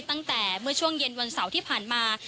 ตั้งแต่เมื่อช่วงเย็นวันเสาร์ที่ผ่านมา